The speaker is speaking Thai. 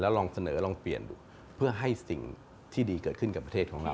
ลองเสนอลองเปลี่ยนดูเพื่อให้สิ่งที่ดีเกิดขึ้นกับประเทศของเรา